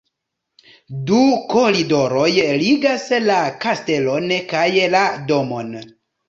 Du koridoroj ligas la kastelon kaj la domon.